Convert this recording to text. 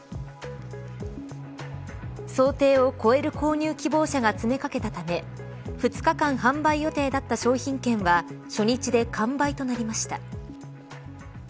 想定を超える購入希望者が詰めかけたため２日間販売予定だった商品券は初日で、完売となりました。